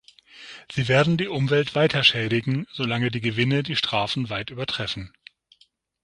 Sie werden die Umwelt weiter schädigen, solange die Gewinne die Strafen weit übertreffen.